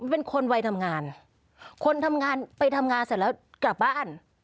เป็นคนวัยทำงานคนทำงานไปทำงานเสร็จแล้วกลับบ้าน